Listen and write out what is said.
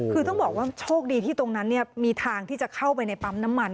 คือต้องบอกว่าโชคดีที่ตรงนั้นมีทางที่จะเข้าไปในปั๊มน้ำมัน